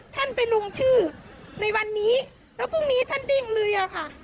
ท่านไปลงชื่อในวันนี้แล้วพรุ่งนี้ท่านดิ้งเลยอะค่ะ